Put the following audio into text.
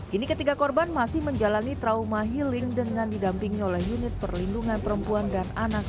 kini ketiga korban masih menjalani trauma healing dengan didampingi oleh unit perlindungan perempuan dan anak